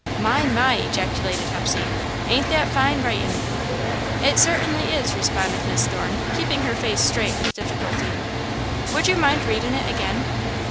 "My! My!" ejaculated Hepsey. "Ain't that fine writin'!" "It certainly is," responded Miss Thorne, keeping her face straight with difficulty. "Would you mind readin' it again?"